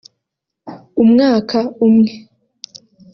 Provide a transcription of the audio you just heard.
umwaka umwe